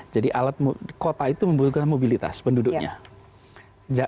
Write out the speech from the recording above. jadi kota itu membutuhkan mobilitas penduduknya